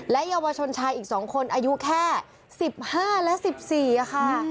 เยาวชนชายอีก๒คนอายุแค่๑๕และ๑๔ค่ะ